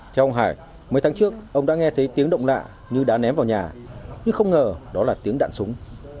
theo ông hải mấy tháng trước ông đã nghe thấy tiếng động lạ như đã ném vào nhà nhưng không ngờ đó là tiếng đạn súng